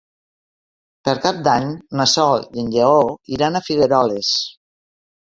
Per Cap d'Any na Sol i en Lleó iran a Figueroles.